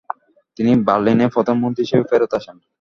তিনি বার্লিনে প্রধানমন্ত্রী হিসেবে ফেরত আসেন।